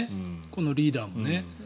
このリーダーもね。